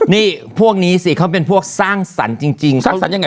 นี้พวกนี้สิเขาเป็นพวกสร้างสรรค์จริง